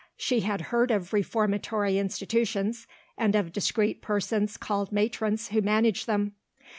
She had heard of reformatory institutions, and of discreet persons called matrons who managed them.